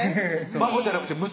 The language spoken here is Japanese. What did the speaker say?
孫じゃなくて娘